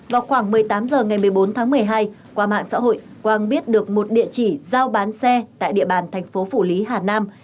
vào khoảng một mươi tám h ngày một mươi bốn tháng một mươi hai qua mạng xã hội quang biết được một địa chỉ giao bán xe tại địa bàn thành phố phủ lý hà nam